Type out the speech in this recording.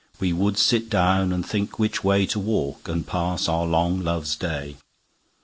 We would sit down, and think which wayTo walk, and pass our long Loves Day.